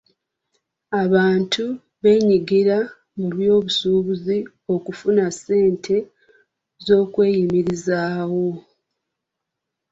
Abantu beenyigira mu byobusuubuzi okufuna ssente z'okweyimirizaawo.